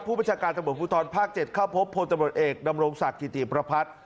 ประชาการตำรวจภูทรภาค๗เข้าพบพลตำรวจเอกดำรงศักดิ์กิติประพัฒน์